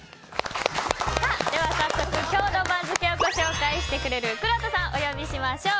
早速今日の番付を紹介してくれるくろうとさんを紹介しましょう。